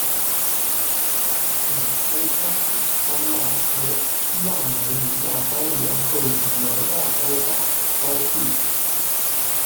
小高加索山脉和亚美尼亚高原构成了外高加索高地。